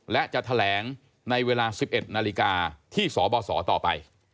และจะแถลงในเวลา๑๑นาฬิกาที่สบสต่อไป